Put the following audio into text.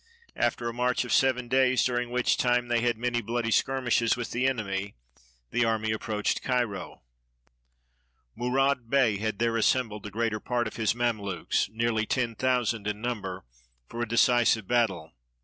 After a march of seven days, during which time they had many bloody skirmishes with the enemy, the army approached Cairo. Mourad Bey had there assembled the greater part of his ^lamelukes, nearly ten thousand in number, for a decisive battle.